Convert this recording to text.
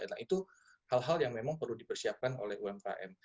nah itu hal hal yang memang perlu dipersiapkan oleh umkm